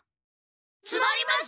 つまります！